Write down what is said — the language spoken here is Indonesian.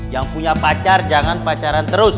yang punya pacar jangan pacaran terus